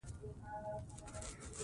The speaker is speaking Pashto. د غزني ولایت د اسلامي تمدن پاېتخت ده